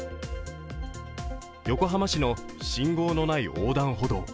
横浜市の信号のない横断歩道。